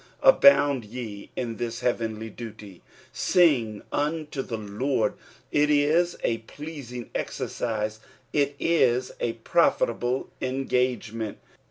Abound ye in this hearenly duty. "Sing unto the Lord.'' It is s piMsing exercise ; it is a profitable engagement.